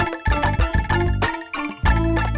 udah biar sama saya aja must